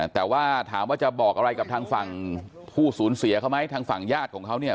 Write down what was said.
แต่ว่าถามว่าจะบอกอะไรกับทางฝั่งผู้สูญเสียเขาไหมทางฝั่งญาติของเขาเนี่ย